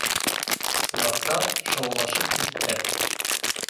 Ҡунаҡтар шаулашып китте